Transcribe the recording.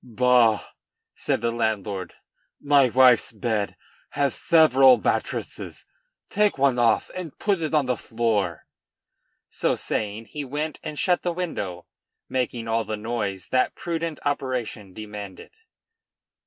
"Bah!" said the landlord, "my wife's bed has several mattresses; take one off and put it on the floor." So saying, he went and shut the window, making all the noise that prudent operation demanded.